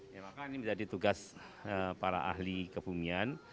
ya maka ini menjadi tugas para ahli kebumian